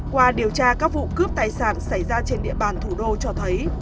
qua điều tra các vụ cướp tài sản xảy ra trên địa bàn thủ đô cho thấy